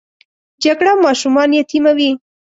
جګړه ماشومان یتیموي